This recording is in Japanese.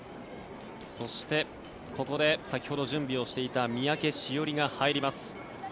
そして、ここで先ほど準備をしていた三宅史織が入ります。